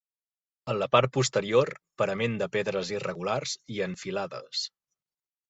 En la part posterior, parament de pedres irregulars i en filades.